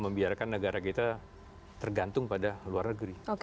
membiarkan negara kita tergantung pada luar negeri